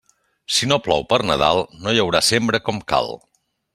Si no plou per Nadal, no hi haurà sembra com cal.